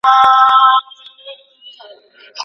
وژني بېګناه انسان ګوره چي لا څه کیږي